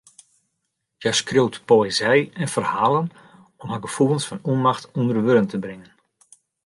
Hja skriuwt poëzy en ferhalen om har gefoelens fan ûnmacht ûnder wurden te bringen.